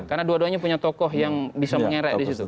karena dua duanya punya tokoh yang bisa mengerai disitu